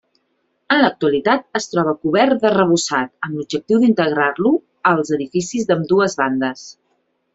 En l'actualitat es troba cobert d'arrebossat, amb l'objectiu d'integrar-lo als edificis d'ambdues bandes.